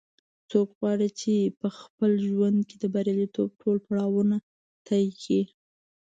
څوک غواړي چې په خپل ژوند کې د بریالیتوب ټول پړاوونه طې کړي